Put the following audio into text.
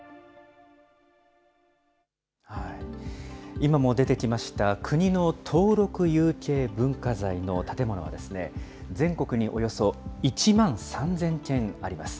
今も出てきました、国の登録有形文化財の建物はですね、全国におよそ１万３０００件あります。